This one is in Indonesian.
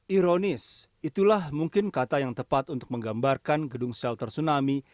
ironis itulah mungkin kata yang tepat untuk menggambarkan gedung shelter tsunami